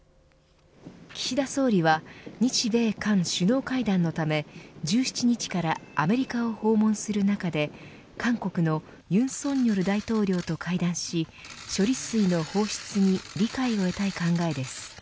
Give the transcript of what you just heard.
岸田総理は日米韓首脳会談のため１７日からアメリカを訪問する中で韓国の尹錫悦大統領と会談し処理水の放出に理解を得たい考えです。